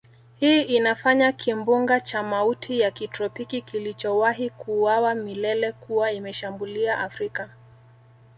hii inafanya kimbunga cha mauti ya kitropiki kilichowahi kuuawa milele kuwa imeshambulia Afrika